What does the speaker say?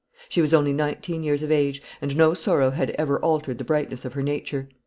She was only nineteen years of age, and no sorrow had ever altered the brightness of her nature.